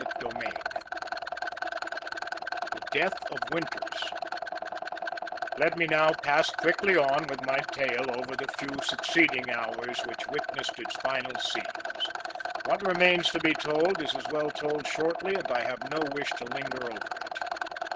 CHAPTER XIV THE DEATH OF WINTERS Let me now pass quickly on with my tale over the few succeeding hours which witnessed its final scenes. What remains to be told is as well told shortly and I have no wish to linger over it.